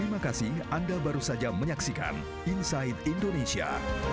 terima kasih anda baru saja menyaksikan inside indonesia